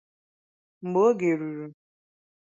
Mgbe oge ruru